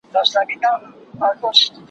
شپږي څرنگه له سر څخه ټولېږي